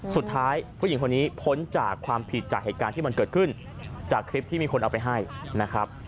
ผู้หญิงคนนี้พ้นจากความผิดจากเหตุการณ์ที่มันเกิดขึ้นจากคลิปที่มีคนเอาไปให้นะครับ